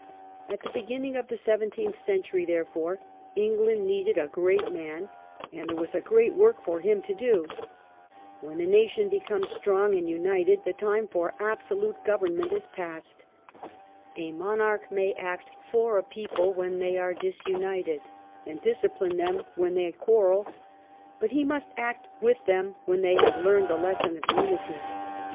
At the beginning of the seventeenth century, therefore, England needed a great man, and there was a great work for him to do. When a nation becomes strong pqjj^jj.jj| and united the time for absolute government danger of the is past. A monarch may act for a people " when they are disunited, and discipline them when they quarrel, but he must act with them when they have learned the lesson of unity.